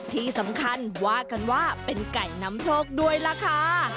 ที่สำคัญว่ากันว่าเป็นไก่นำโชคด้วยล่ะค่ะ